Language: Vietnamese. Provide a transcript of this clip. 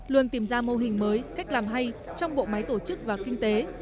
luôn tìm ra mô hình mới cách làm hay trong bộ máy tổ chức và kinh tế